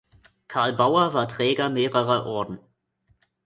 Carl Bauer war Träger mehrerer Orden.